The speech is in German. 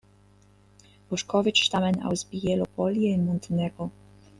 Bošković stammen aus Bijelo Polje in Montenegro.